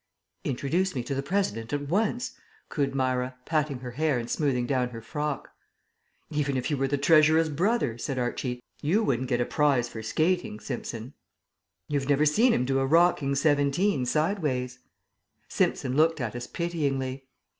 "Introduce me to the President at once," cooed Myra, patting her hair and smoothing down her frock. "Even if you were the Treasurer's brother," said Archie, "you wouldn't get a prize for skating, Simpson." "You've never seen him do a rocking seventeen, sideways." Simpson looked at us pityingly.